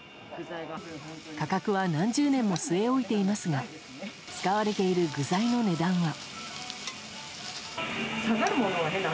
価格は何十年も据え置いていますが使われている具材の値段は。